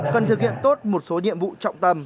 cần thực hiện tốt một số nhiệm vụ trọng tâm